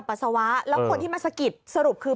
แล้วคนที่มาสะกิดสรุปคือ